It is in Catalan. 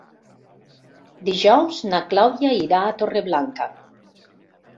Dijous na Clàudia irà a Torreblanca.